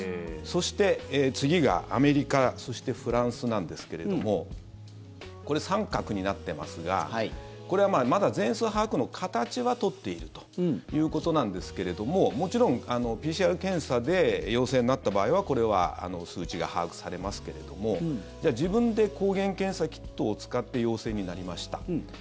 そして、次がアメリカそしてフランスなんですけれどもこれ、△になってますがこれはまだ全数把握の形は取っているということなんですけれどももちろんＰＣＲ検査で陽性になった場合はこれは数値が把握されますけれどもじゃあ自分で抗原検査キットを使って、陽性になりました。